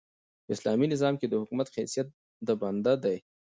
په اسلامي نظام کښي د حکومت حیثیت د بنده دئ.